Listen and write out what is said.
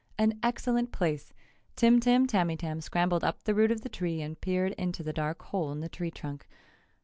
"An excellent place!" Tim Tim Tamytam scrambled up the root of the tree and peered into the dark hole in the tree trunk.